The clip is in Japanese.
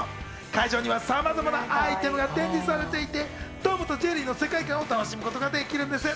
会場にはさまざまなアイテムが展示されていて、『トムとジェリー』の世界観を楽しむことができるんです。